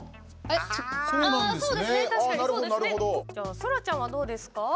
そらちゃんは、どうですか？